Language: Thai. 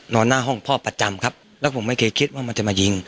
หน้าห้องพ่อประจำครับแล้วผมไม่เคยคิดว่ามันจะมายิง